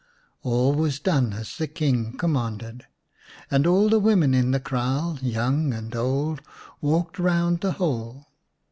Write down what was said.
All was done as the King commanded, and all the women in the kraal, young and old, walked round the hole.